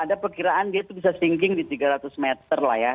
ada perkiraan dia itu bisa thinking di tiga ratus meter lah ya